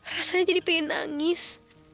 rasanya jadi pengen nangis